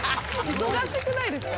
忙しくないですか？